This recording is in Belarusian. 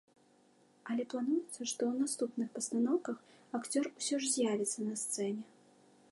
Але плануецца, што ў наступных пастаноўках акцёр усё ж з'явіцца на сцэне.